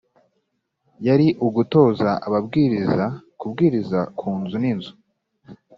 yari ugutoza ababwiriza kubwiriza ku nzu n inzu